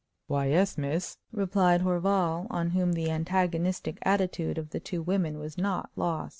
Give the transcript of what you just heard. "Why, yes, miss," replied Horval, on whom the antagonistic attitude of the two women was not lost.